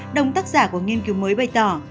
đồng tác giả của nghiên cứu mới bày tỏ